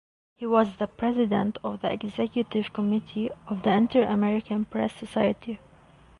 He was the President of the Executive Committee of the Interamerican Press Society.